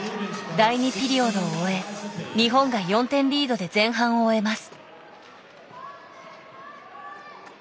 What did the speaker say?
第２ピリオドを終え日本が４点リードで前半を終えます。